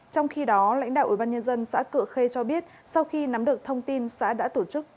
trong khi đó lãnh đạo ủy ban nhân dân xã cựa khê cho biết sau khi nắm được thông tin xã đã tổ chức